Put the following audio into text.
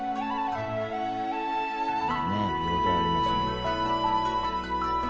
「見応えありますね」